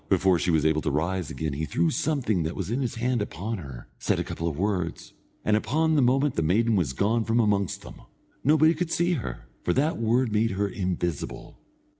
Before she was able to rise again he threw something that was in his hand upon her, said a couple of words, and upon the moment the maiden was gone from amongst them. Nobody could see her, for that word made her invisible.